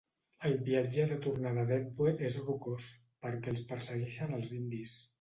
El viatge de tornada a Deadwood es rocós, perquè els persegueixen els indis.